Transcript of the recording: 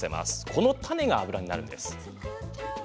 この種が油になるんです。